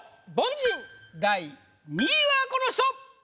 凡人第２位はこの人！